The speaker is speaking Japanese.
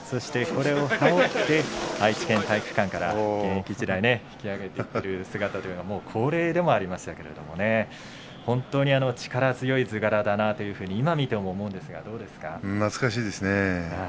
これを羽織って現役時代愛知県体育館から引き揚げていく姿が恒例でもありましたけれども本当に力強い図柄だなと今、見ても思うんですが懐かしいですね。